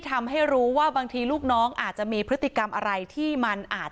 ทำให้รู้ว่าบางทีลูกน้องอาจจะมีพฤติกรรมอะไรที่มันอาจ